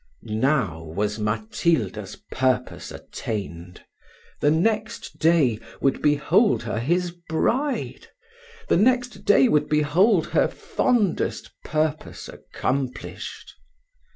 Now was Matilda's purpose attained the next day would behold her his bride the next day would behold her fondest purpose accomplished.